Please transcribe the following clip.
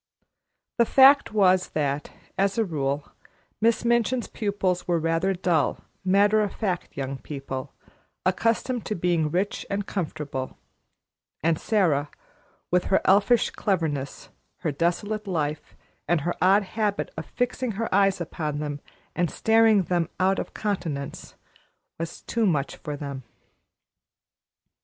The fact was that, as a rule, Miss Minchin's pupils were rather dull, matter of fact young people, accustomed to being rich and comfortable; and Sara, with her elfish cleverness, her desolate life, and her odd habit of fixing her eyes upon them and staring them out of countenance, was too much for them.